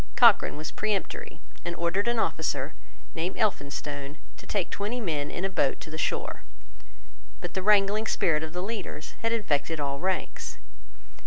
Cochrane was peremptory, and ordered an officer, named Elphinstone, to take twenty men in a boat to the shore. But the wrangling spirit of the leaders had infected all ranks.